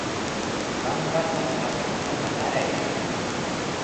Panqata hakakunata qaray.